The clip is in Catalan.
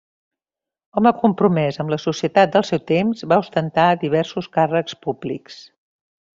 Home compromès amb la societat del seu temps, va ostentar diversos càrrecs públics.